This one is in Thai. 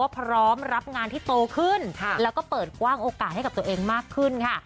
พร้อมรับงานที่โตขึ้นแล้วก็เปิดกว้างโอกาสให้กับตัวเองมากขึ้นค่ะ